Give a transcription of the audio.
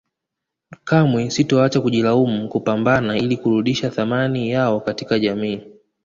Kamwe sitoacha kujilaumu kupambana ili kuludisha thamani yao katika jamii